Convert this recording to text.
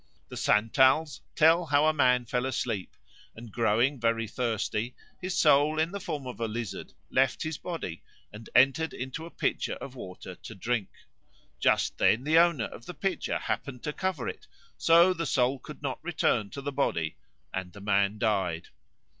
The Santals tell how a man fell asleep, and growing very thirsty, his soul, in the form of a lizard, left his body and entered a pitcher of water to drink. Just then the owner of the pitcher happened to cover it; so the soul could not return to the body and the man died.